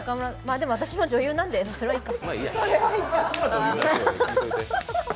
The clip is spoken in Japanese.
でも、私も女優なんで、それはいいか。